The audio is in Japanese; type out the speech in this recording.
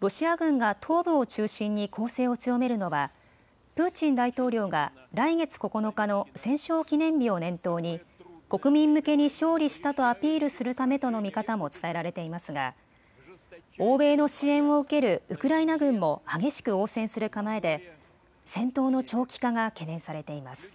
ロシア軍が東部を中心に攻勢を強めるのはプーチン大統領が来月９日の戦勝記念日を念頭に国民向けに勝利したとアピールするためとの見方も伝えられていますが、欧米の支援を受けるウクライナ軍も激しく応戦する構えで戦闘の長期化が懸念されています。